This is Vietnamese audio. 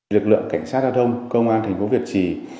lực lượng cảnh sát giao thông công an thành phố việt trì